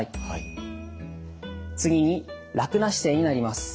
次に楽な姿勢になります。